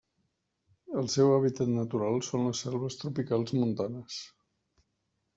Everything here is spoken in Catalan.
El seu hàbitat natural són les selves tropicals montanes.